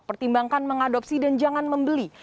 pertimbangkan mengadopsi dan jangan membeli